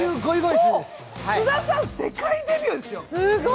津田さん世界デビューですよ。